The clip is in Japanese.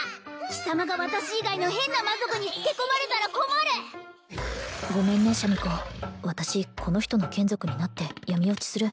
貴様が私以外の変な魔族につけこまれたら困るごめんねシャミ子私この人の眷属になって闇堕ちする